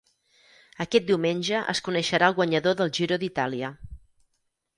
Aquest diumenge es coneixerà el guanyador del Giro d'Itàlia.